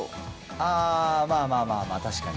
あー、まあまあまあまあ、確かに。